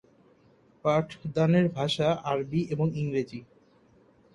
পাঠদানের ভাষা আরবি এবং ইংরেজি।